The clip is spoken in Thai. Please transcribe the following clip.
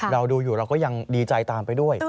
เราดูอยู่เราก็ยังดีใจตามไปด้วย